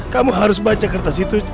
kamu harus baca kertas itu